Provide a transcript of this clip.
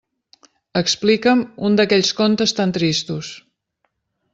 Explica'm un d'aquells contes tan tristos!